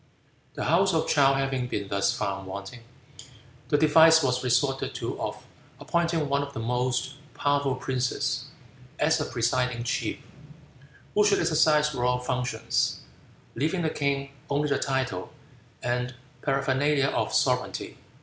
The House of Chow having been thus found wanting, the device was resorted to of appointing one of the most powerful princes as a presiding chief, who should exercise royal functions, leaving the king only the title and paraphernalia of sovereignity.